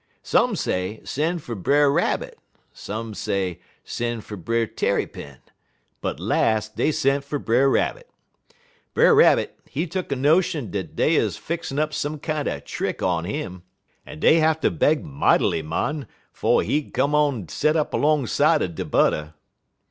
"Some say sen' fer Brer Rabbit, some say sen' fer Brer Tarrypin; but las' dey sent fer Brer Rabbit. Brer Rabbit, he tuck a notion dat dey 'uz fixin' up some kinder trick on 'im, en dey hatter beg mightily, mon, 'fo' he 'ud come en set up 'longside er dey butter.